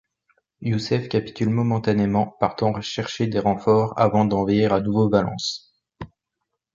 Youssef capitule momentanément, partant chercher des renforts avant d'envahir à nouveau Valence.